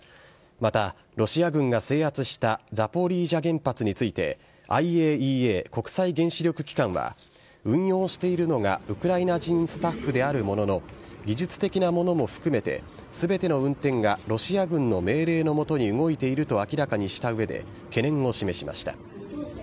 また、ロシア軍が制圧したザポリージャ原発について、ＩＡＥＡ・国際原子力機関は、運用しているのがウクライナ人スタッフであるものの、技術的なものも含めて、すべての運転がロシア軍の命令の下に動いていると明らかにしたうえで、懸念を示しました。